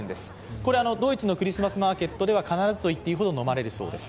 これはドイツのクリスマスマーケットでは必ずと言っていいほど飲まれるそうです。